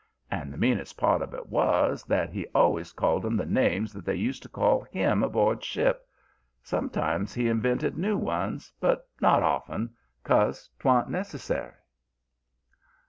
And the meanest part of it was that he always called 'em the names that they used to call him aboard ship. Sometimes he invented new ones, but not often, because 'twa'n't necessary.